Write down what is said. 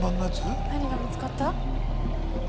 何が見つかった？